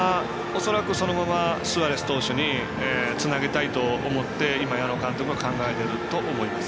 恐らくそのままスアレス投手につなげたいと思って今、矢野監督は考えていると思います。